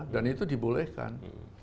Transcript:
dan itu dibolehkan